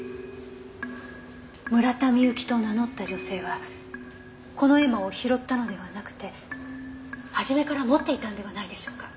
村田みゆきと名乗った女性はこの絵馬を拾ったのではなくてはじめから持っていたのではないでしょうか。